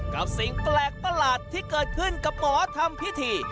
กับสิ่งแปลกประหลาดที่เกิดขึ้นกับหมอทำพิธี